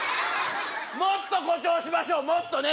もっと誇張しましょうもっとね。